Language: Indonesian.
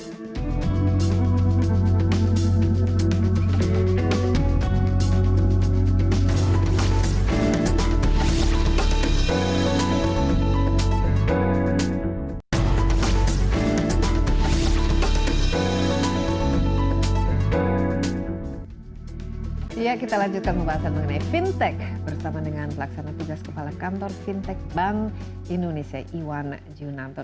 bisa lihat dulu ya kita lanjutkan pembahasan mengenai fintech bersama dengan pelaksana pihak kepala kantor fintech bank indonesia iwan junanto